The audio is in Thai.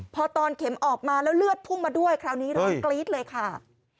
พอตอนเข็มออกมาแล้วเลือดพุ่งมาด้วยคราวนี้ร้อนกรี๊ดเลยค่ะ